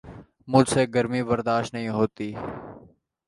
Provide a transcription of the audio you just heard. مجھ سے گرمی برداشت نہیں ہوتی